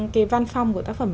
cái văn phong của tác phẩm